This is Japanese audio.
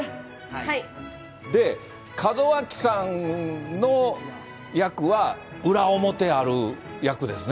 で、門脇さんの役は、裏表ある役ですね。